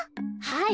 はい。